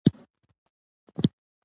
دا قوي اراده غواړي.